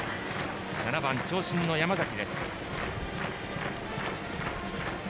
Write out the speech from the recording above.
７番、長身の山崎。